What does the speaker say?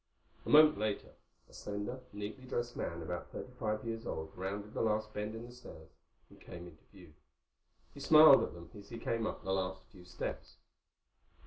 A moment later a slender, neatly dressed man about thirty five years old rounded the last bend in the stairs and came into view. He smiled at them as he came up the last few steps.